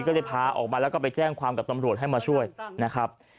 ก็เลยพาออกมาแล้วก็ไปแจ้งความกับตำรวจให้มาช่วยนะครับ